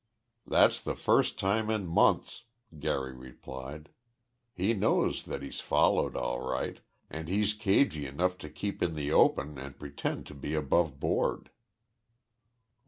"That's the first time in months," Gary replied. "He knows that he's followed, all right, and he's cagy enough to keep in the open and pretend to be aboveboard."